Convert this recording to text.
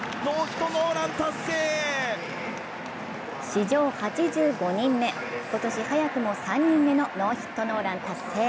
史上８５人目、今年早くも３人目のノーヒットノーラン達成。